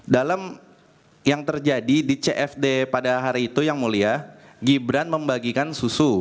dalam yang terjadi di cfd pada hari itu yang mulia gibran membagikan susu